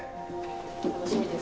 楽しみですか？